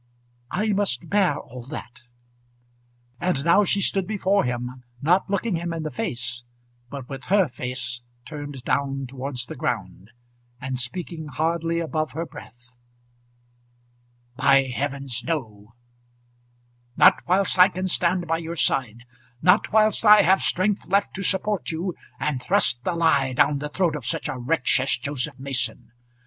"I must bear all that." And now she stood before him, not looking him in the face, but with her face turned down towards the ground, and speaking hardly above her breath. "By heavens, no; not whilst I can stand by your side. Not whilst I have strength left to support you and thrust the lie down the throat of such a wretch as Joseph Mason.